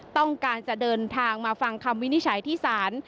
ต้องการจะเดินทางมาฟังคำวินิจฉัยที่ศาล